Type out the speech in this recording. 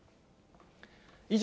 以上、